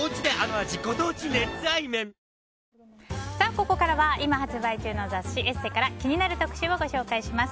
ここからは今発売中の雑誌「ＥＳＳＥ」から気になる特集をご紹介します。